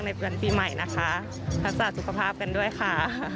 ในวันปีใหม่นะคะหกษาสุขภาพกันดิ้วค่ะ